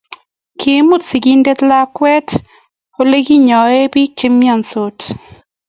Kaimut sigindet lakwet olekinyoen biik chepnyansot